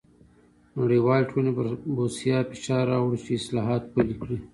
نړیوالې ټولنې پر بوسیا فشار راووړ چې اصلاحات پلي کړي.